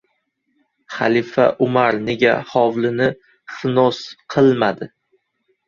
Xalifa Umar nega hovlini «snos» qilmadi?